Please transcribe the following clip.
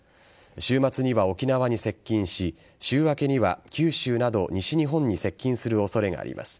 週末には沖縄に接近し週明けには九州など西日本に接近する恐れがあります。